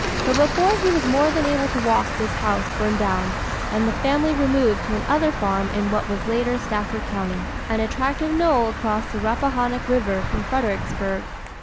But before he was more than able to walk this house burned down, and the family removed to another farm in what was later Stafford County an attractive knoll across the Rappahannock River from Fredericksburg.